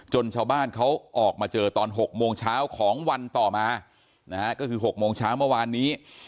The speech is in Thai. ชาวบ้านเขาออกมาเจอตอน๖โมงเช้าของวันต่อมานะฮะก็คือ๖โมงเช้าเมื่อวานนี้